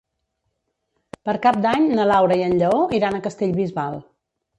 Per Cap d'Any na Laura i en Lleó iran a Castellbisbal.